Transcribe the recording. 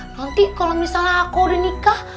nanti kalau misalnya aku udah nikah